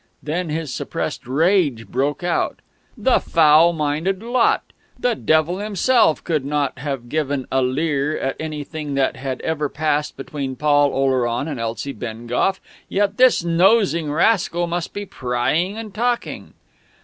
Then his suppressed rage broke out.... The foul minded lot! The devil himself could not have given a leer at anything that had ever passed between Paul Oleron and Elsie Bengough, yet this nosing rascal must be prying and talking!...